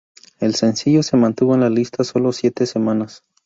El sencillo se mantuvo en las lista solo siete semanas.